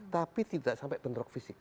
tapi tidak sampai bentrok fisik